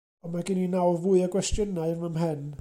Ond mae gen i nawr fwy o gwestiynau yn fy mhen.